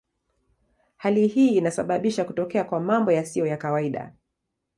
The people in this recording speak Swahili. Hali hii inasababisha kutokea kwa mambo yasiyo kawaida.